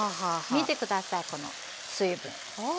見て下さいこの水分。わ！